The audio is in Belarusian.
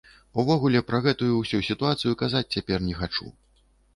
Увогуле пра гэтую ўсю сітуацыю казаць цяпер не хачу.